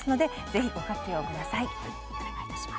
ぜひ、ご活用ください。